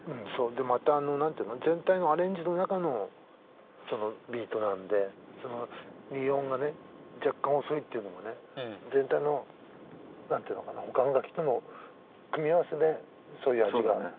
でまた何て言うの全体のアレンジの中のそのビートなんでその２・４がね若干遅いっていうのもね全体の何て言うのかなほかの楽器との組み合わせでそういう味が。